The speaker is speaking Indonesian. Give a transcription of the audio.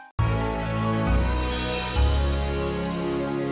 kita juga tetap harus mewaspadai